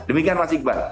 demikian mas iqbal